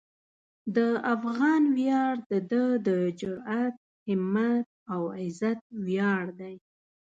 د افغان ویاړ د ده د جرئت، همت او عزت ویاړ دی.